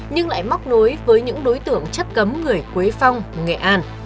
nhưng lại móc nối với những đối tượng chất cấm người quế phong nghệ an